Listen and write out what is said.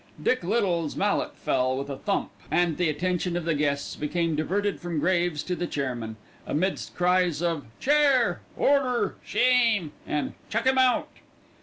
Dick Little's mallet fell with a thump, and the attention of the guests became diverted from Graves to the chairman, amidst cries of "Chair," "Order," "Shame," and "Chuck him out."